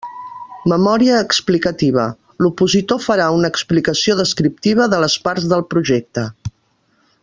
Memòria explicativa: l'opositor farà una explicació descriptiva de les parts del projecte.